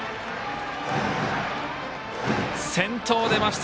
先頭、出ました！